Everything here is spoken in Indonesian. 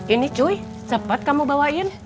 ini cui cepat kamu bawain